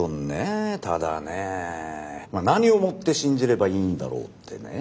ただね何をもって信じればいいんだろうってね。